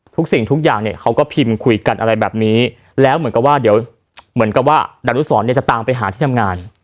สิ่งทุกอย่างเนี่ยเขาก็พิมพ์คุยกันอะไรแบบนี้แล้วเหมือนกับว่าเดี๋ยวเหมือนกับว่าดารุสรเนี่ยจะตามไปหาที่ทำงาน